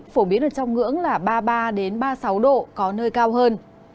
phổ biến trong ngưỡng ba mươi ba ba mươi sáu độ có nơi cao hơn